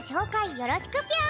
よろしくぴょん。